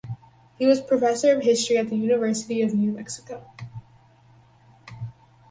He was professor of history at the University of New Mexico.